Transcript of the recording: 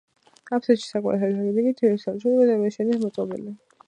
აფსიდში, სარკმლის აქეთ-იქით, თითო შეისრულთაღოვანი ნიშაა მოწყობილი.